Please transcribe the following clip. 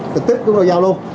tực tức chúng tôi giao luôn